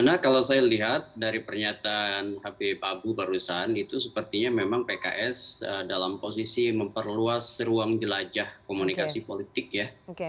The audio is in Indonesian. nah kalau saya lihat dari pernyataan habib abu barusan itu sepertinya memang pks dalam posisi memperluas ruang jelajah komunikasi politik ya